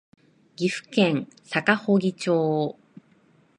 岐阜県坂祝町